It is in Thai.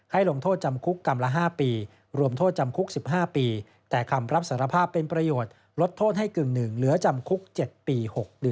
ให้ลงโทษจำคุกกรรมละ๕ปี